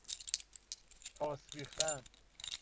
تاس ریختن